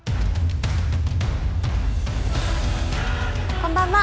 こんばんは。